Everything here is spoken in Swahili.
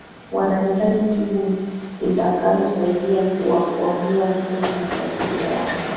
wanahitaji jibu litakalosaidia kuwakwamua kutoka matatizo yao